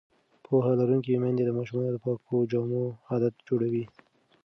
پوهه لرونکې میندې د ماشومانو د پاکو جامو عادت جوړوي.